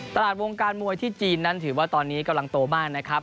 วงการมวยที่จีนนั้นถือว่าตอนนี้กำลังโตมากนะครับ